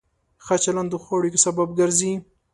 ښه چلند د ښو اړیکو سبب ګرځي.